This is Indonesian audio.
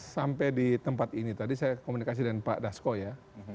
sampai di tempat ini tadi saya komunikasi dengan pak dasko ya